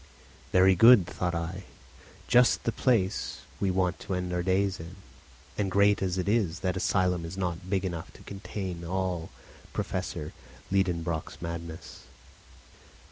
Very good! thought I, just the place we want to end our days in; and great as it is, that asylum is not big enough to contain all Professor Liedenbrock's madness!